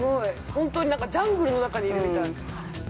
本当になんかジャングルの中にいるみたい。